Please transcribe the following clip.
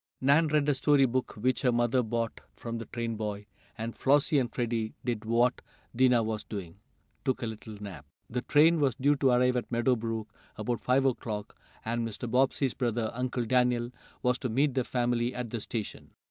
Nan read a story book which her mother bought from the train boy, and Flossie and Freddie did what Dinah was doing took a little nap. The train was due to arrive at Meadow Brook about five o'clock, and Mr. Bobbsey's brother, Uncle Daniel, was to meet the family at the station.